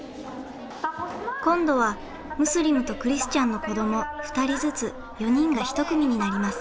今度はムスリムとクリスチャンの子ども２人ずつ４人が１組になります。